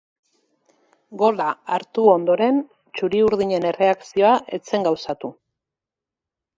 Gola hartu ondoren txuri-urdinen erreakzioa ez zen gauzatu.